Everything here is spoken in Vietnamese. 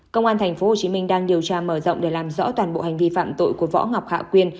công an tp hcm đang điều tra mở rộng để làm rõ toàn bộ hành vi phạm tội của võ ngọc hạ quyên